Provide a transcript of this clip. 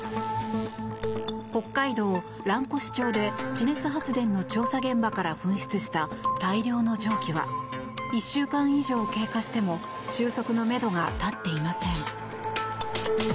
北海道蘭越町で地熱発電の調査現場から噴出した大量の蒸気は１週間以上経過しても収束のめどが立っていません。